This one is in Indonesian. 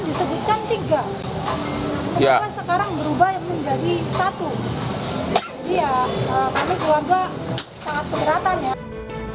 disebutkan tiga kemudian sekarang berubah menjadi satu iya kami keluarga sangat keberatan ya